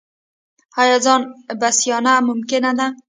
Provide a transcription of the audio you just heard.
آیا ځان بسیاینه ممکن ده؟